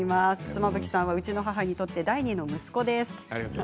妻夫木さんはうちの母にとって第２の息子です。